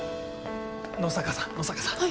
野坂さん野坂さん。